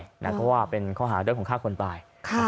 กฎหมายต่อไปก็ว่าเป็นข้อหาเดิมของฆ่าคนตาย